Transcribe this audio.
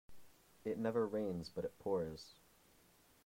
It never rains but it pours.